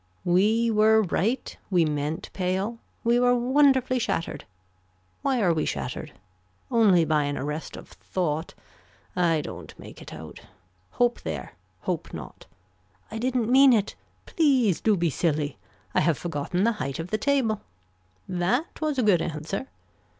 We were right. We meant pale. We were wonderfully shattered. Why are we shattered. Only by an arrest of thought. I don't make it out. Hope there. Hope not. I didn't mean it. Please do be silly. I have forgotten the height of the table. That was a good answer.